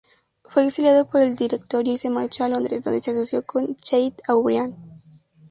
Fue exiliado por el Directorio y marchó a Londres, donde se asoció con Chateaubriand.